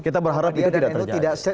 kita berharap itu tidak terjadi